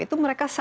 itu merupakan apa